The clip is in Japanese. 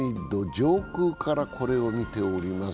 上空からこれを見ております。